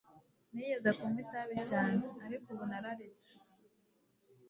Nigeze kunywa itabi cyane, ariko ubu nararetse.